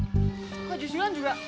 kok kejujuran juga